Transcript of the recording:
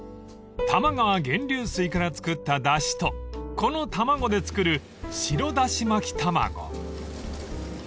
［多摩川源流水から作っただしとこの卵で作る白だしまき玉子］